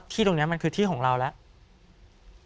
ที่ตรงนี้มันคือที่ของเราแล้ว